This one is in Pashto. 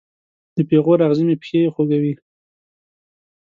د پیغور اغزې مې پښې خوږوي